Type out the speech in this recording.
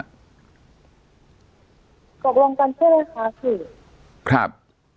ตกลงกันเท่าไหร่ค่ะสิครับ